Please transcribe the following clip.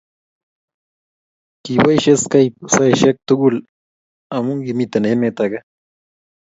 Kiboishee Skype saihek tukul ami kimii emet ake